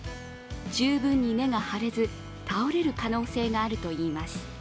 十分に根が張れず、倒れる可能性があるといいます。